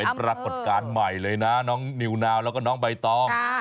เป็นปรากฏการณ์ใหม่เลยนะน้องนิวนาวแล้วก็น้องใบตอง